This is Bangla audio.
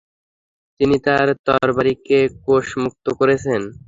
তিনি তাঁর তরবারীকে কোষমুক্ত করছেন।